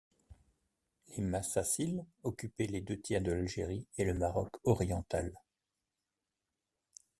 Les Massæsyles occupaient les deux tiers de l'Algérie et le Maroc oriental.